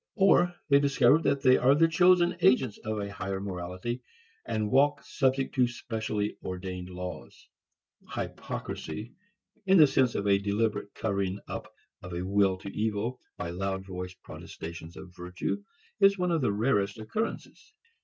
Or they discover that they are the chosen agents of a higher morality and walk subject to specially ordained laws. Hypocrisy in the sense of a deliberate covering up of a will to evil by loud voiced protestations of virtue is one of the rarest of occurrences.